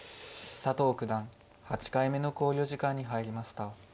佐藤九段８回目の考慮時間に入りました。